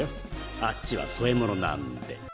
あっちは添え物なんで。